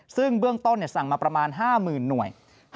ซึ่งเบื้องต้นสั่งมาประมาณ๕๐๐๐หน่วย